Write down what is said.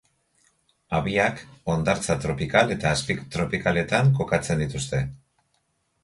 Habiak hondartza tropikal eta azpitropikaletan kokatzen dituzte.